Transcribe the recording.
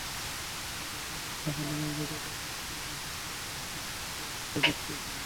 কিন্তু ট্র্যাকের সাফল্যের জন্য যতটা, তার চেয়ে বেশি শিরোনাম হচ্ছেন চৌর্যবৃত্তির জন্য।